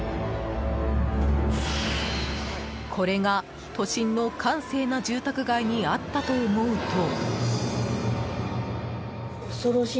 これが、都心の閑静な住宅街にあったと思うと。